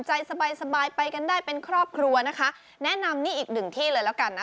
สบายสบายไปกันได้เป็นครอบครัวนะคะแนะนำนี่อีกหนึ่งที่เลยแล้วกันนะ